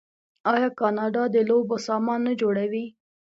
آیا کاناډا د لوبو سامان نه جوړوي؟